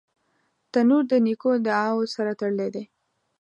تنور د نیکو دعاوو سره تړلی دی